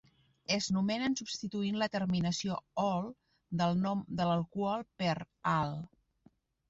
Es nomenen substituint la terminació -ol del nom de l'alcohol per -al.